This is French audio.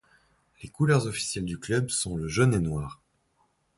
Les couleurs officielles du club sont le jaune et noir.